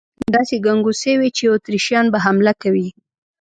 داسې ګنګوسې وې چې اتریشیان به حمله کوي.